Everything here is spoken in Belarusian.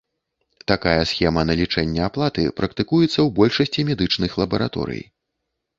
Такая схема налічэння аплаты практыкуецца ў большасці медычных лабараторый.